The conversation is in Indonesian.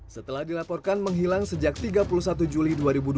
setelah dilaporkan menghilang sejak tiga puluh satu juli dua ribu dua puluh